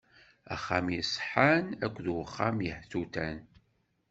Axxam iṣeḥḥan akked uxxam yehtutan.